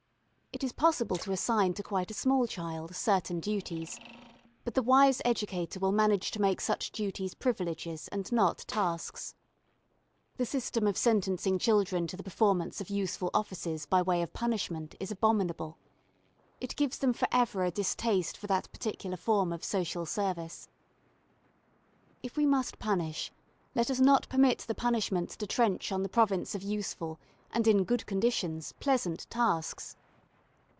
It is possible to assign to quite a small child certain duties, but the wise educator will manage to make such duties privileges and not tasks. The system of sentencing children to the performance of useful offices by way of punishment is abominable. It gives them for ever a distaste for that particular form of social service. If we must punish, let us not permit the punishments to trench on the province of useful and, in good conditions, pleasant tasks.